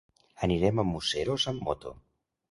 Anirem a Museros amb moto.